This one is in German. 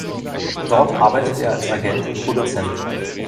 Dort arbeitet er als Agent und Produzent.